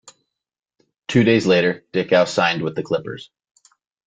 Two days later, Dickau signed with the Clippers.